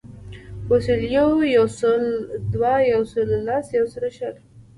یوسلویو, یوسلودوه, یوسلولس, یوسلوشل